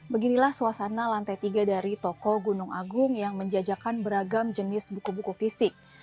beginilah suasana lantai tiga dari toko gunung agung yang menjajakan beragam jenis buku buku fisik